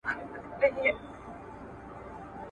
آس په خپلو سترګو کې د ژوند نوې رڼا او خوشحالي لیدله.